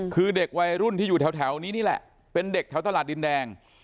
คือเด็กวัยรุ่นที่อยู่แถวนี้นี่แหละเป็นเด็กแถวตลาดดินแดง